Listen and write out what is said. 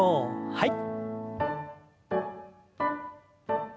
はい。